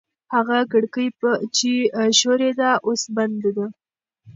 هغه کړکۍ چې ښورېده اوس بنده ده.